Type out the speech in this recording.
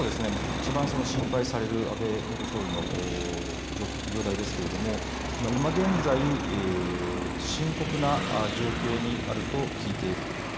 一番心配される安倍元総理の容体ですけれども今現在深刻な状況にあると聞いていると。